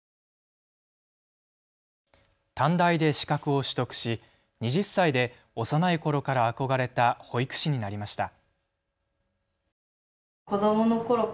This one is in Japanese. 短大で資格を取得し２０歳で幼いころから憧れた保育士になりました。